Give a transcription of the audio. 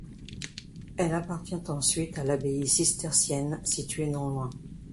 Elle appartient ensuite à l'abbaye cistercienne située non loin.